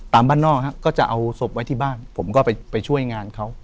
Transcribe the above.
บ้านนอกก็จะเอาศพไว้ที่บ้านผมก็ไปช่วยงานเขา